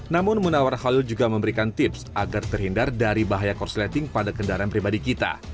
namun munawar khalil juga memberikan tips agar terhindar dari bahaya korsleting pada kendaraan pribadi kita